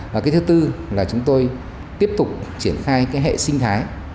và cái thứ tư là chúng tôi tiếp tục triển khai cái hệ sinh thái